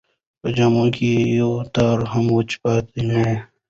په جامو کې یې یو تار هم وچ پاتې نه و.